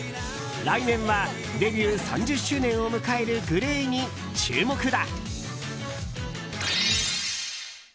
来年はデビュー３０周年を迎えるＧＬＡＹに注目だ！